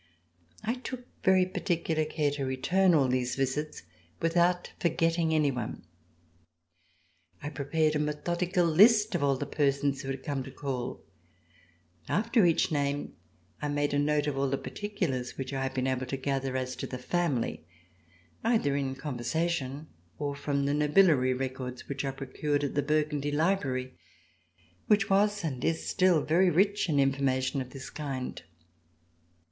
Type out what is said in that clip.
I took very particular care to return all these visits without forgetting any one. I prepared a methodical list of all the persons who had come to call. After each name I made a note of all the par ticulars which I had been able to gather as to the family, either in conversation or from the nobiliary records which I procured at the Burgundy Library which was, and is still, very rich in information of this kind.